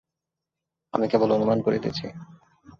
আমি কেবল অনুমান করিতেছি।